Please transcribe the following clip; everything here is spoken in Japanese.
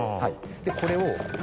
これを。